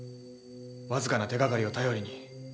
わずかな手がかりを頼りに。